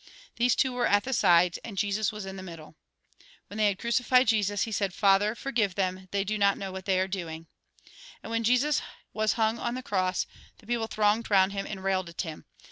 These two were at the sides, and Jesus was in the middle. When they had crucified Jesus, he said :" Father ! forgive them ; they do not know what they are doing." And when Jesus was hung on the cross, the people thronged round him and railed at him.